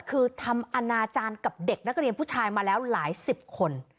คือทำอนาจารย์กับเด็กนักเรียนผู้ชายมาแล้วหลายสิบคน